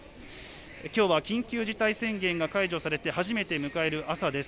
きょうは緊急事態宣言が解除されて初めて迎える朝です。